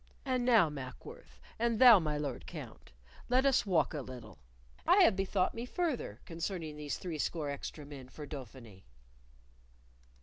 And now, Mackworth, and thou my Lord Count, let us walk a little; I have bethought me further concerning these threescore extra men for Dauphiny."